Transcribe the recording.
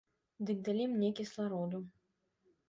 Дык далі мне кіслароду.